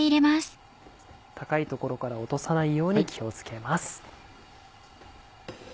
高い所から落とさないように気を付けます。